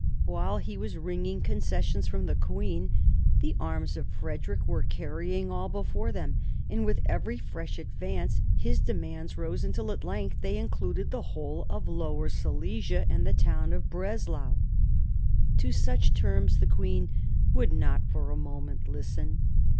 While he was wringing concessions from the queen, the arms of Frederick were carrying all before them, and with every fresh advance his demands rose, until at length they included the whole of Lower Silesia and the town of Breslau. To such terms the queen would not for a moment listen.